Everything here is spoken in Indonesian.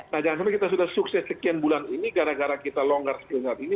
nah jangan sampai kita sudah sukses sekian bulan ini gara gara kita longgar sekian ini